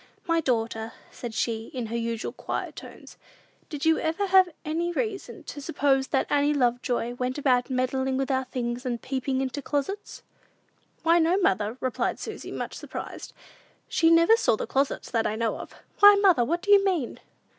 "My daughter," said she, in her usual quiet tones, "did you ever have any reason to suppose that Annie Lovejoy went about meddling with our things, and peeping into the closets?" "Why, no, mother," replied Susy, much surprised; "she never saw the closets, that I know of. Why, mother, what do you mean?"